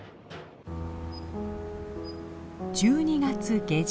１２月下旬。